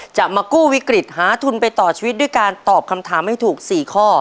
จะมากู้วิกฤตหาทุนไปต่อชีวิตด้วยการตอบคำถามให้ถูก๔ข้อ